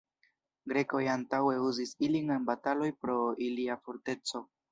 Grekoj antaŭe uzis ilin en bataloj pro ilia forteco.